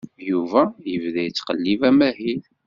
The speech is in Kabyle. Yuba yebda yettqellib amahil.